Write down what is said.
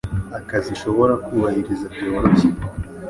akazi shobora kubahiriza byoroshye